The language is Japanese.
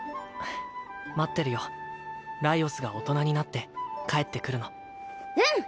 待ってるよライオスが大人になって帰ってくるのうん！